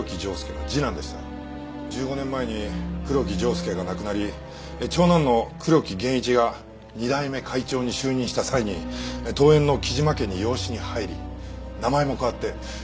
１５年前に黒木定助が亡くなり長男の黒木玄一が２代目会長に就任した際に遠縁の木島家に養子に入り名前も変わって木島交通の社長となりました。